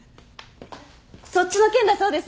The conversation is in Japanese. そっちの件だそうです